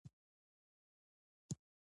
سيلاب ، سيلان ، سباوون ، سپين غر ، سورگل ، سرتور